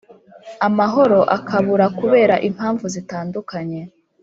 amahoro akabura kubera impavu zitandukanye